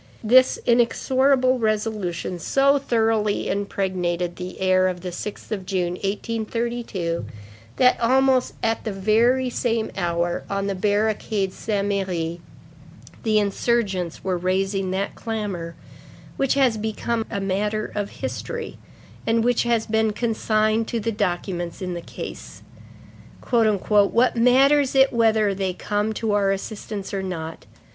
This inexorable resolution so thoroughly impregnated the air of the 6th of June, 1832, that, almost at the very same hour, on the barricade Saint Merry, the insurgents were raising that clamor which has become a matter of history and which has been consigned to the documents in the case:—"What matters it whether they come to our assistance or not?